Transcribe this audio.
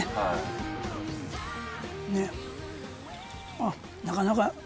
あっなかなか。